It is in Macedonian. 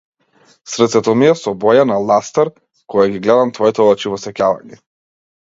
Срцето ми е со боја на ластар, кога ги гледам твоите очи во сеќавање.